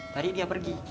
tadi dia pergi